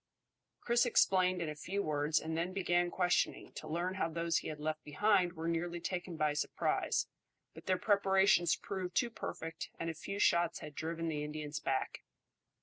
Chris explained in a few words, and then began questioning, to learn how those he had left behind were nearly taken by surprise, but their preparations proved too perfect and a few shots had driven the Indians back.